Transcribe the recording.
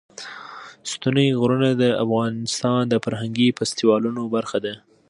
ستوني غرونه د افغانستان د فرهنګي فستیوالونو برخه ده.